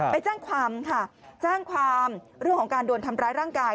ไปแจ้งความค่ะแจ้งความเรื่องของการโดนทำร้ายร่างกาย